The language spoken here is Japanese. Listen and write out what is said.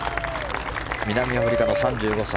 南アフリカの３５歳。